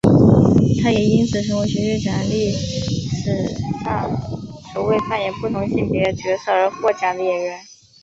她也因此成为学院奖历史上首位扮演不同性别角色而获奖的演员。